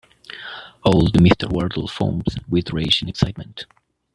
Old Mr. Wardle foamed with rage and excitement.